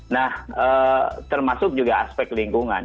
nah termasuk juga aspek lingkungan